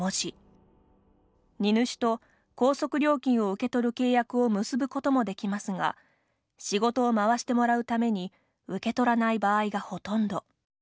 荷主と高速料金を受け取る契約を結ぶこともできますが仕事を回してもらうために受け取らない場合がほとんど。